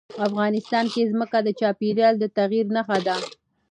افغانستان کې ځمکه د چاپېریال د تغیر نښه ده.